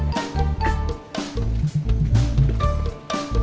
gak enak pecah